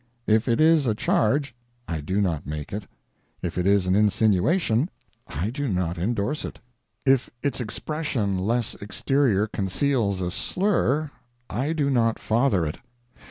If it is a charge, I do not make it; if it is an insinuation, I do not endorse it; if its expression less exterior conceals a slur, I do not father it.